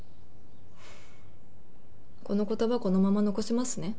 この言葉このまま残しますね。